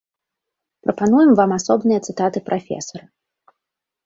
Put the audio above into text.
Прапануем вам асобныя цытаты прафесара.